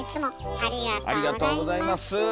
ありがとうございます。